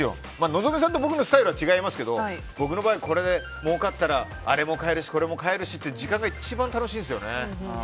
望実さんと僕のスタイルは違いますけども僕の場合はこれで儲かったらあれも買えるしこれも買えるしっていう時間が一番楽しいんですよね。